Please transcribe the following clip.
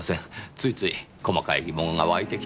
ついつい細かい疑問がわいてきてしまう。